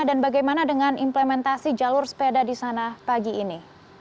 dan bagaimana dengan implementasi jalur sepeda di sana pagi ini